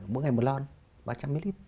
mỗi ngày một lon ba trăm linh ml